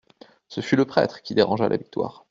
Ce fut le prêtre qui dérangea la victoire.